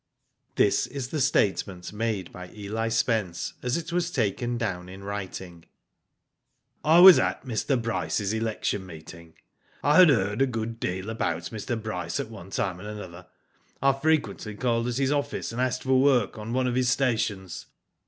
This is the statement made by Eli Spence as it was taken down in writing : "I was at Mr. Bryce's election meeting. I had heard a good deal about Mr. Bryce at one time and another. I frequently called at hi§ office, and asked for work, on one of his stations.